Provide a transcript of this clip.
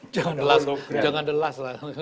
jangan delas rob jangan delas lah